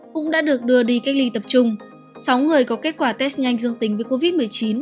cũng đã được đưa đi cách ly tập trung sáu người có kết quả test nhanh dương tính với covid một mươi chín